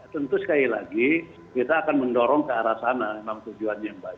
tentu sekali lagi kita akan mendorong ke arah sana memang tujuannya mbak